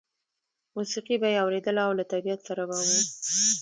موسیقي به یې اورېدله او له طبیعت سره به و